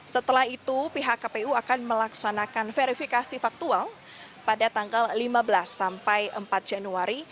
setelah itu pihak kpu akan melaksanakan verifikasi faktual pada tanggal lima belas sampai empat januari